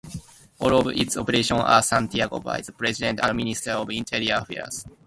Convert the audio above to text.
All of its operations are sanctioned by the President and Minister of Interior Affairs.